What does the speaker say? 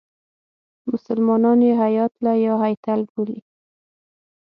مسلمانان یې هیاتله یا هیتل بولي.